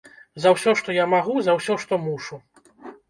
За ўсё, што я магу, за ўсё, што мушу.